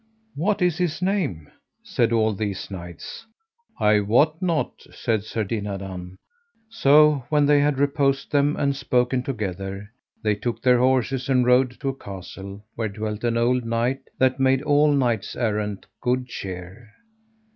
What is his name? said all these knights. I wot not, said Sir Dinadan. So when they had reposed them, and spoken together, they took their horses and rode to a castle where dwelt an old knight that made all knights errant good cheer.